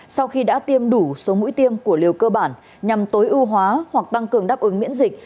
sau khi đã tiêm đủ số mũi tiêm của liều cơ bản nhằm tối ưu hóa hoặc tăng cường đáp ứng miễn dịch